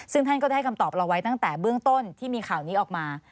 ซึ่งท่านก็ได้คำตอบเราไว้ตั้งแต่เบื้องต้นที่มีข่าวนี้ออกมา